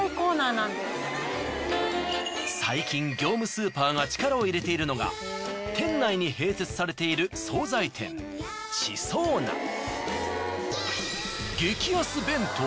最近業務スーパーが力を入れているのが店内に併設されている惣菜店しかも。